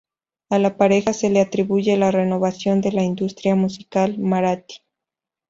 A la pareja se le atribuye la renovación de la industria musical marathi.